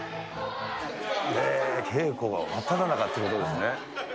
稽古の真っただ中ということですね。